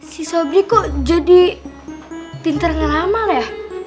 si sabri kok jadi pinter ngeramal ya